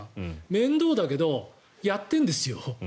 面倒だけどやっているんですよ。